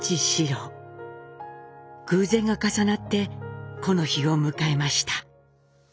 偶然が重なってこの日を迎えました。